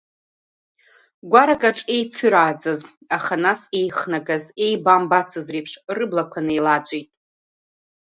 Гәаракаҿ еицырааӡаз, аха нас еихнагаз, еибамбацыз реиԥш рыблақәа неилаҵәеит.